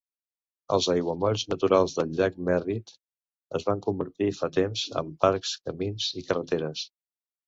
Els aiguamolls naturals del llac Merritt es van convertir fa temps en parcs, camins i carreteres.